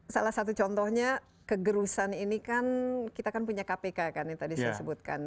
salah satu contohnya kegerusan ini kan kita kan punya kpk kan yang tadi saya sebutkan